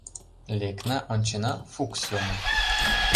Лекна, ончена — Фукс йомын.